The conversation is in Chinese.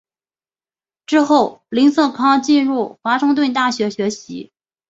之后林瑟康进入华盛顿大学学习。